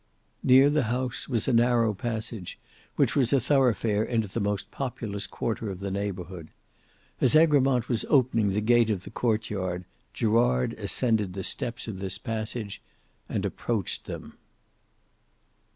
Near the house was a narrow passage which was a thoroughfare into the most populous quarter of the neighbourhood. As Egremont was opening the gate of the courtyard, Gerard ascended the steps of this passage and approached them.